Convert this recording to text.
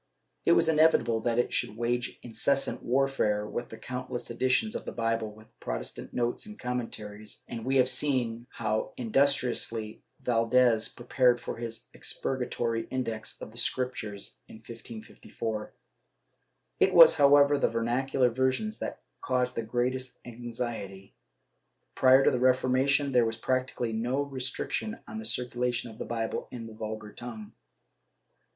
It was inevitable that it should wage incessant warfare with the countless editions of the Bible with Protestant notes and commentaries, and we have seen how indus triously Valdes prepared for his expurgatory Index of the Scrip tures in 1554. It was, however, the vernacular versions that caused the greatest anxiety. Prior to the Reformation there was practically no restriction on the circulation of the Bible in the vulgar tongue.